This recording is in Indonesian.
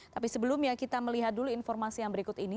tapi sebelumnya kita melihat dulu informasi yang berikut ini